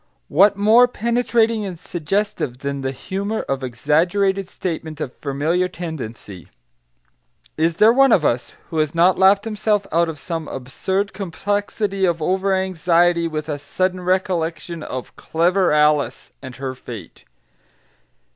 What more penetrating and suggestive than the humour of exaggerated statement of familiar tendency? Is there one of us who has not laughed himself out of some absurd complexity of over anxiety with a sudden recollection of "clever Alice" and her fate?